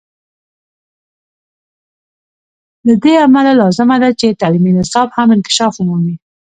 له دې امله لازمه ده چې تعلیمي نصاب هم انکشاف ومومي.